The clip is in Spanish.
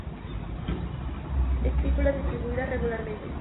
Espículas distribuidas regularmente.